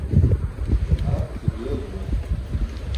Maraquce biyay juwan.